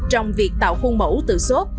trong việc tạo khuôn mẫu tự sốt